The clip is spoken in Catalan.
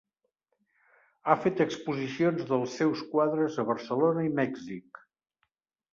Ha fet exposicions dels seus quadres a Barcelona i Mèxic.